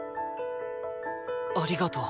ありがとう。